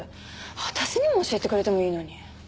私にも教えてくれてもいいのに。